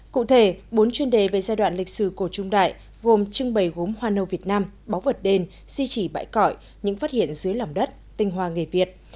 cụ thể bốn chuyên đề về giai đoạn lịch sử cổ trung đại gồm trưng bày gốm hoa nâu việt nam bó vật đền di chỉ bãi cỏi những phát hiện dưới lòng đất tinh hoa nghề việt